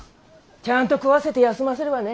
ちゃんと食わせて休ませればね。